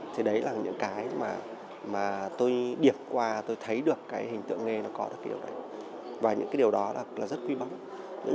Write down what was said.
thì đấy là những cái mà tôi điệp qua tôi thấy được cái hình tượng nghê nó có được và những cái điều đó là rất quý mong